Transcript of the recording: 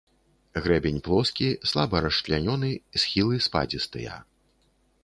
Грэбень плоскі, слаба расчлянёны, схілы спадзістыя.